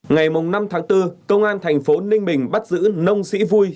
ngày năm tháng bốn công an thành phố ninh bình bắt giữ nông sĩ vui